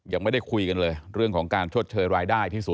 ยังไม่ได้คุยกันเลยเรื่องของการชดเชยรายได้ที่๐